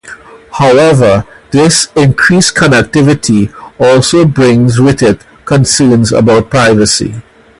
However, this increased connectivity also brings with it concerns about privacy.